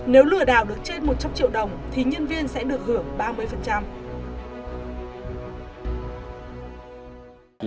nếu lừa đào được trên một trăm linh triệu đồng thì nhân viên sẽ được gửi ba mươi